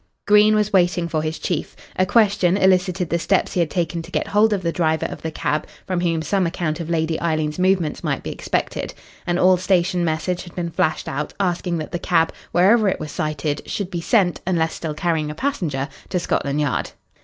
Green was waiting for his chief. A question elicited the steps he had taken to get hold of the driver of the cab, from whom some account of Lady Eileen's movements might be expected. An all station message had been flashed out, asking that the cab, wherever it was sighted, should be sent, unless still carrying a passenger, to Scotland Yard.